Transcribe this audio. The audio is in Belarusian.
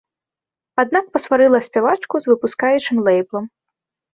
Аднак пасварыла спявачку з выпускаючым лэйблам.